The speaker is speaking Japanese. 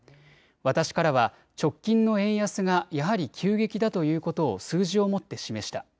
私からは直近の円安がやはり急激だということを数字をもって示した。